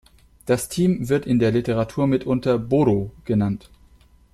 Das Team wird in der Literatur mitunter „Boro“ genannt.